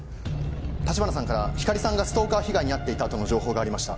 橘さんから光莉さんがストーカー被害に遭っていたとの情報がありました。